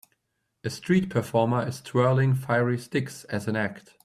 A street performer is twirling fiery sticks as an act.